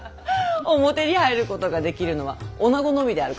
表に入ることができるのは女のみであるからの。